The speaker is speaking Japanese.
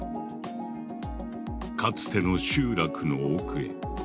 かつての集落の奥へ。